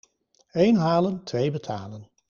Één halen, twee betalen.